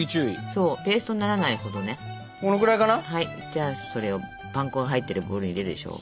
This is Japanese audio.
じゃあそれをパン粉が入ってるボウルに入れるでしょ。